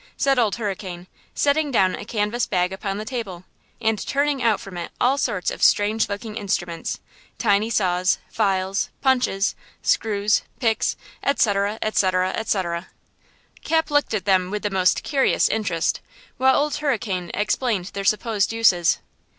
said Old Hurricane, setting down a canvas bag upon the table and turning out from it all sorts of strange looking instruments–tiny saws, files, punches, screws, picks, etc., etc., etc. Cap looked at them with the most curious interest, while Old Hurricane explained their supposed uses.